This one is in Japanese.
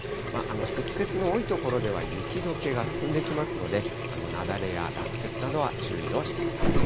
積雪の多い所では、雪どけが進んでいきますので、雪崩や落雪などは注意をしてください。